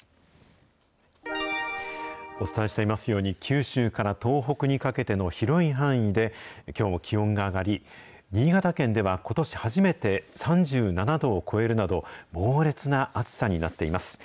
お伝えしていますように、九州から東北にかけての広い範囲できょうも気温が上がり、新潟県ではことし初めて、３７度を超えるなど、猛烈な暑さになっています。